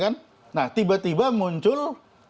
nah tiba tiba muncul